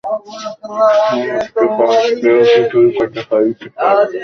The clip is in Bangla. সমস্ত পথ কেহ কিছুই কথা কহিতে পারিল না।